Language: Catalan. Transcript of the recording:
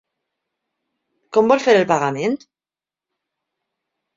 Com vol fer el pagament?